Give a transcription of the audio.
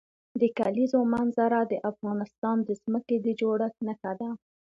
د کلیزو منظره د افغانستان د ځمکې د جوړښت نښه ده.